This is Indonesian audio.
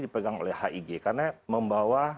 dipegang oleh hig karena membawa